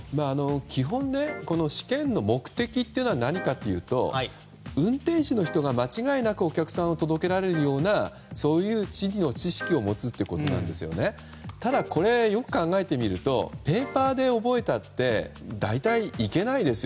基本、試験の目的が何なのかというと運転手の人が間違いなくお客さんを届けられるようなそういう地図の知識を持つということなんですがただ、これよく考えてみるとペーパーで覚えたって大体行けないですよ